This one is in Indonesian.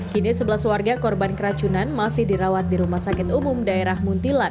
kini sebelas warga korban keracunan masih dirawat di rumah sakit umum daerah muntilan